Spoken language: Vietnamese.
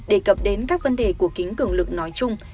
đề cập đến các vấn đề của kính cường lực nói chung